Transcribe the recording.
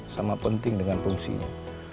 sama penting dengan fungsinya